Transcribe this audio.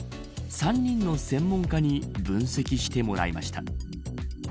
３人の専門家に分析してもらいました。